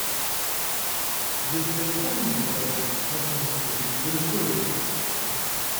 Je vous ai promis, mon père, répondit-il, de le sauver.